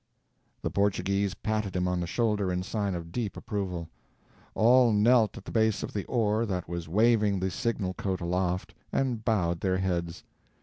The Portuguese patted him on the shoulder in sign of deep approval. All knelt at the base of the oar that was waving the signal coat aloft, and bowed their heads.